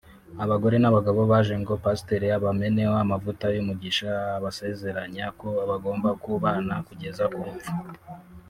abagore n’abagabo baje ngo Pasiteri abameneho amavuta y’umugisha abasezeranya ko bagomba kubana kugeza ku rupfu